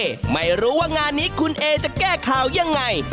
ไม่รู้ว่างานนี้คุณเอจะแก้ข่าวยังไง